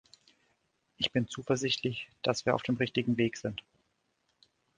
Ich bin zuversichtlich, dass wir auf dem richtigen Weg sind.